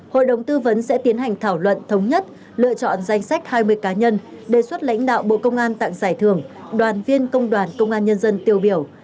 hội đồng tư vấn sẽ tiến hành thảo luận thống nhất lựa chọn danh sách hai mươi cá nhân đề xuất lãnh đạo bộ công an tặng giải thưởng đoàn viên công đoàn công an nhân dân tiêu biểu